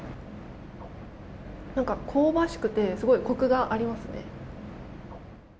香ばしくてすごいコクがありますね。